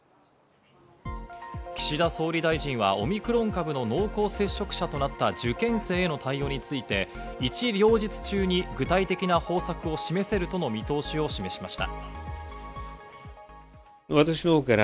岸田総理大臣はオミクロン株の濃厚接触者となった受験生への対応について、一両日中に具体的な方策を示せるとの見通しを示しました。